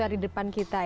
daripada yang karim sore